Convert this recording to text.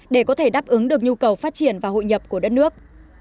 để có thể đáp ứng được nhu cầu phát triển và hội nhập của đất nước